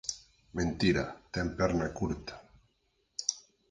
Mentira ten perna curta.